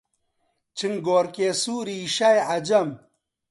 چنگۆڕکی سووری شای عەجەم...